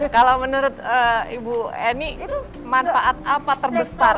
kalau menurut ibu eni manfaat apa terbesar